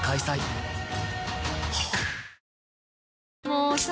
もうさ